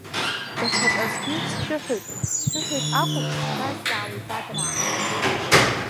Даҽаказгьы сшәыҳәоит, сшәыҳәоит акәым, сшәазҵаауеит, дадраа.